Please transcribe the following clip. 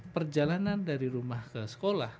perjalanan dari rumah ke sekolah